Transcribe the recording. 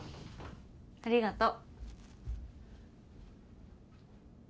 ありがとう。